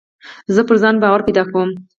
زه پر ځان باور پیدا کوم.